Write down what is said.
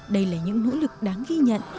đây là những nỗ lực đáng ghi nhận